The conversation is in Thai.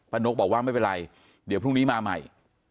นกบอกว่าไม่เป็นไรเดี๋ยวพรุ่งนี้มาใหม่